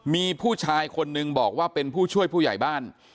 มีผู้ชายคนนึงบอกว่าเป็นผู้ช่วยผู้ใหญ่บ้าน